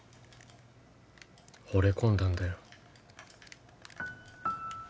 ほれ込んだんだよ